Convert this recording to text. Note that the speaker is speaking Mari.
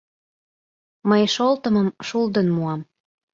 Мый шолтымым шулдын муам.